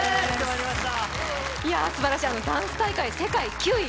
すばらしいダンス大会、世界９位。